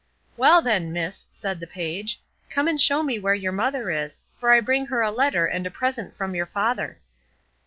"Well then, miss," said the page, "come and show me where your mother is, for I bring her a letter and a present from your father."